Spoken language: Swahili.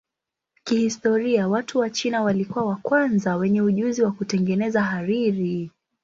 Kihistoria watu wa China walikuwa wa kwanza wenye ujuzi wa kutengeneza hariri.